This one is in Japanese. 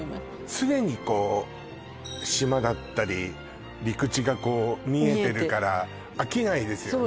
常にこう島だったり陸地がこう見えてるから飽きないですよね